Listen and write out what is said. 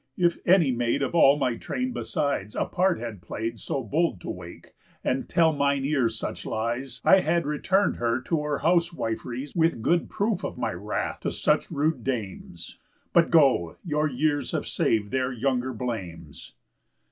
If any maid Of all my train besides a part had play'd So bold to wake, and tell mine ears such lies, I had return'd her to her housewif'ries With good proof of my wrath to such rude dames. But go, your years have sav'd their younger blames."